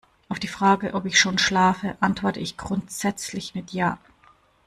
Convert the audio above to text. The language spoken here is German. Auf die Frage, ob ich schon schlafe, antworte ich grundsätzlich mit ja.